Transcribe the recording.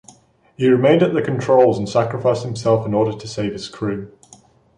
He remained at the controls and sacrificed himself in order to save his crew.